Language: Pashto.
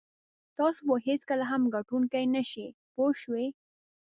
تاسو به هېڅکله هم ګټونکی نه شئ پوه شوې!.